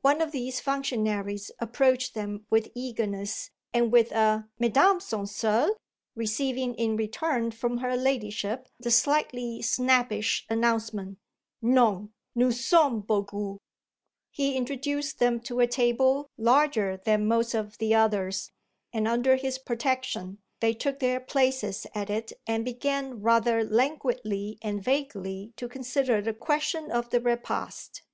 One of these functionaries approached them with eagerness and with a "Mesdames sont seules?" receiving in return from her ladyship the slightly snappish announcement "Non; nous sommes beaucoup!" He introduced them to a table larger than most of the others, and under his protection they took their places at it and began rather languidly and vaguely to consider the question of the repast.